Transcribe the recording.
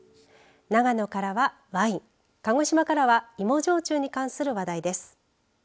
長野からはワイン鹿児島からは芋焼酎に関する話題です。